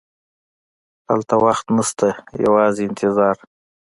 هلته وخت نه شته، یوازې انتظار.